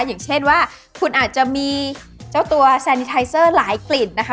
อย่างเช่นว่าคุณอาจจะมีเจ้าตัวแซนนิไทเซอร์หลายกลิ่นนะคะ